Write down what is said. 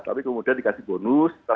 tapi kemudian dikasih bonus